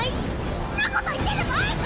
んなこと言ってる場合か！